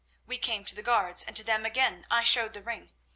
We came to the guards, and to them again I showed the ring.